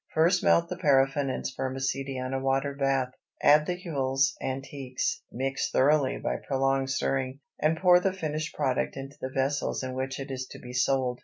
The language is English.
First melt the paraffin and spermaceti on a water bath, add the huiles antiques, mix thoroughly by prolonged stirring, and pour the finished product into the vessels in which it is to be sold.